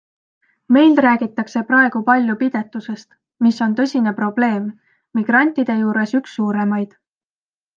Meil räägitakse praegu palju pidetusest, mis on tõsine probleem, migrantide juures üks suuremaid.